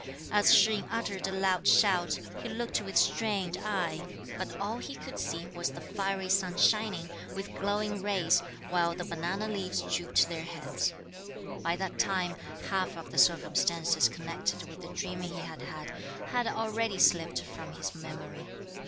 As Shih yin uttered a loud shout, he looked with strained eye; but all he could see was the fiery sun shining, with glowing rays, while the banana leaves drooped their heads. By that time, half of the circumstances connected with the dream he had had, had already slipped from his memory.